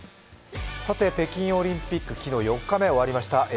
さて、北京オリンピック、昨日４日目終わりました。